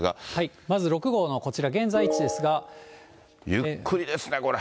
まず６号のこちら、ゆっくりですね、これ。